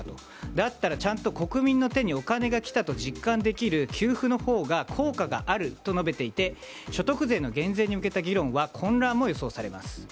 だったらちゃんと国民の手にお金が来たと実感できる給付のほうが効果があると述べていて所得税の減税に向けた議論は混乱も予想されます。